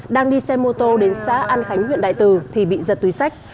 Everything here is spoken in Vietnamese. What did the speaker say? đang đi xe mô tô đến xã an khánh huyện đại từ thì bị giật túi sách